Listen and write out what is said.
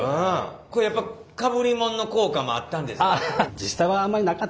これやっぱかぶりもんの効果もあったんですか？